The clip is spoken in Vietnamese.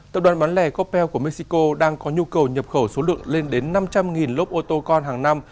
tập đoàn bán lẻ coppel của mexico đang có nhu cầu nhập khẩu số lượng lên đến năm trăm linh lốc ô tô con hàng năm